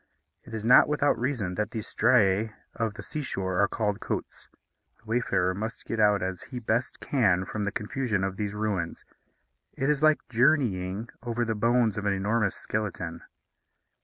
It is not without reason that these striæ of the sea shore are called côtes. The wayfarer must get out as he best can from the confusion of these ruins. It is like journeying over the bones of an enormous skeleton.